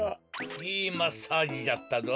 いいマッサージじゃったぞ。